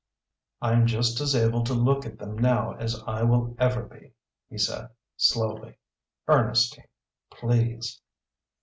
"I'm just as able to look at them now as I will ever be," he said, slowly. "Ernestine please."